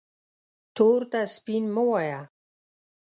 تور ته سپین مه وایه